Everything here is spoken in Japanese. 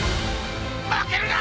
負けるな！